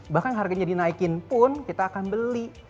bahkan harganya dinaikin pun kita akan beli